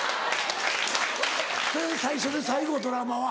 それ最初で最後ドラマは。